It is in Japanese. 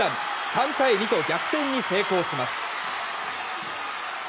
３対２と逆転に成功します。